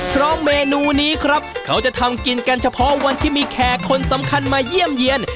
เพราะเมนูนี้ครับเขาจะทำกินกันเฉพาะวันที่มีแขกคนสำคัญมาเยี่ยมเยี่ยน